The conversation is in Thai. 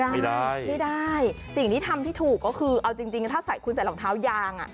ไม่ได้ไม่ได้สิ่งที่ทำที่ถูกก็คือเอาจริงถ้าใส่คุณใส่รองเท้ายางอ่ะ